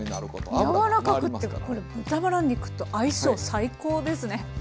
柔らかくってこれ豚バラ肉と相性最高ですね。